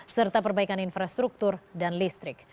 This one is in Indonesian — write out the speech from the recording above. serta perbaikan infrastruktur dan listrik